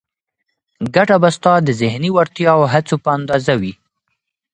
ګټه به ستا د ذهني وړتیا او هڅو په اندازه وي.